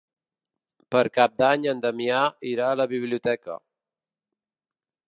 Per Cap d'Any en Damià irà a la biblioteca.